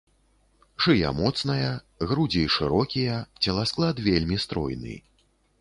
Шыя моцная, грудзі шырокія, целасклад вельмі стройны.